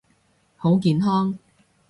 好健康！